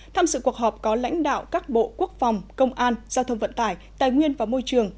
tham sự cuộc họp có lãnh đạo các bộ quốc phòng công an giao thông vận tải tài nguyên và môi trường